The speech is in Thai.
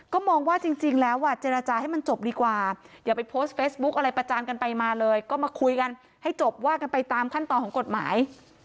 ก็มองว่าจริงแล้วอ่ะเจรจาให้มันจบดีกว่าอย่าไปโพสต์เฟซบุ๊กอะไรประจานกันไปมาเลยก็มาคุยกันให้จบว่ากันไปตามขั้นตอนของกฎหมาย